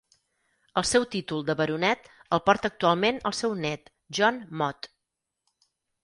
El seu títol de baronet el porta actualment el seu nét, John Mott.